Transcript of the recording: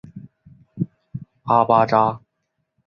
阿巴扎。